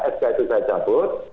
sk itu saya cabut